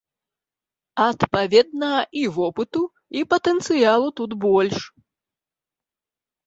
Адпаведна, і вопыту, і патэнцыялу тут больш.